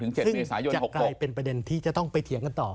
๗เมษายนจะกลายเป็นประเด็นที่จะต้องไปเถียงกันต่อ